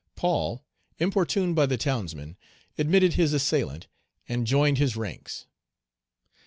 Paul, importuned by the townsmen, admitted his assailant, and joined his ranks.